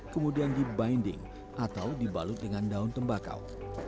kemudian dibinding atau dibalut dengan daun tembakau